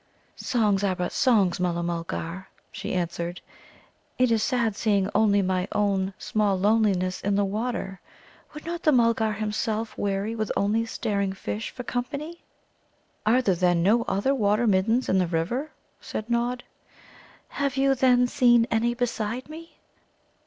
"Songs are but songs, Mulla mulgar," she answered. "It is sad seeing only my own small loneliness in the water. Would not the Mulgar himself weary with only staring fish for company?" "Are there, then, no other Water middens in the river?" said Nod. "Have you, then, seen any beside me?"